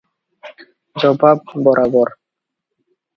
ଜବାବ - ବରୋବର ।